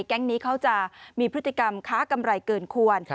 แก๊งนี้เขาจะมีพฤติกรรมค้ากำไรเกินควร